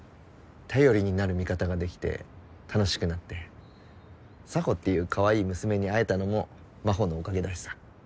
頼りになる味方ができて楽しくなって佐帆っていうカワイイ娘に会えたのも真帆のおかげだしさ。